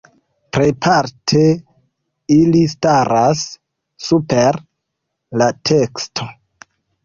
Plejparte ili staras super la teksto.